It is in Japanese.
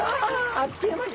あっという間に。